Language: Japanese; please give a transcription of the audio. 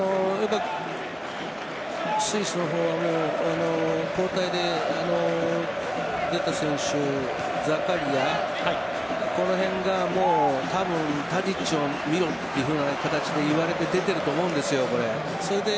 選手の方は交代で出た選手、ザカリアこの選手がタディッチを見ろという形で言われて出ていると思うんですよ。